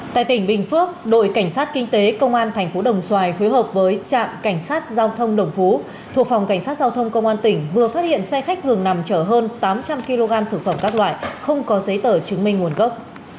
tại tỉnh bình phước đội cảnh sát kinh tế công an thành phố đồng xoài phối hợp với trạm cảnh sát giao thông đồng phú thuộc phòng cảnh sát giao thông công an tỉnh vừa phát hiện xe khách thường nằm chở hơn tám trăm linh kg thực phẩm các loại không có giấy tờ chứng minh nguồn gốc